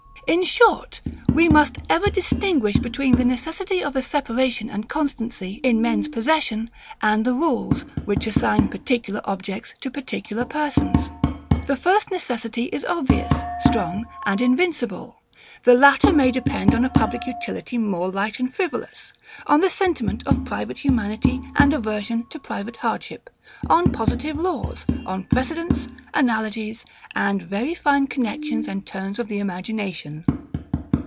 In short, we must ever distinguish between the necessity of a separation and constancy in men's possession, and the rules, which assign particular objects to particular persons. The first necessity is obvious, strong, and invincible: the latter may depend on a public utility more light and frivolous, on the sentiment of private humanity and aversion to private hardship, on positive laws, on precedents, analogies, and very fine connexions and turns of the imagination.